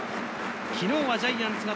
昨日はジャイアンツが